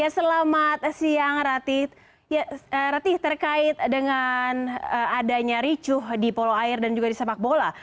selamat siang ratih terkait dengan adanya ricuh di polo air dan juga di sepak bola